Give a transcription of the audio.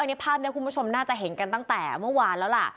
ในภาพนี้คุณผู้ชมน่าจะเห็นกันตั้งแต่เมื่อวานแล้วล่ะ